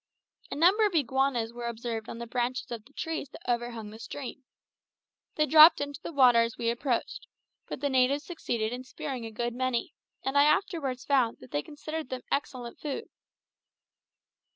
A number of iguanas were observed on the branches of the trees that overhung the stream. They dropped into the water as we approached; but the natives succeeded in spearing a good many, and I afterwards found that they considered them excellent food.